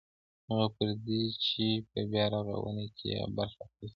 هغه پردي چې په بیارغاونه کې یې برخه اخیستې ده.